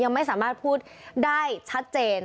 ยังไม่สามารถพูดได้ชัดเจน